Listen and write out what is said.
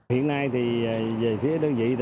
hiện nay thì về phía đơn vị thì